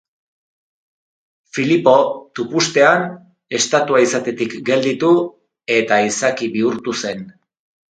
Filippo, tupustean, estatua izatetik gelditu, eta izaki bihurtu zen.